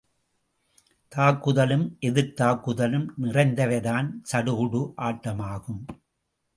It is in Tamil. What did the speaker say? தாக்குதலும் எதிர்தாக்குதலும் நிறைந்தவைதான் சடுகுடு ஆட்டமாகும்.